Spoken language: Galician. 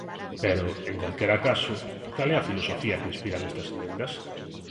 Pero, en calquera caso, ¿cal é a filosofía que inspiran estas emendas?